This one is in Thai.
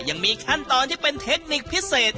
ยังมีขั้นตอนที่เป็นเทคนิคพิเศษ